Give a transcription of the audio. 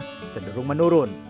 mencapai sekitar satu orang